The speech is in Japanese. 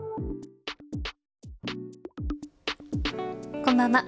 こんばんは。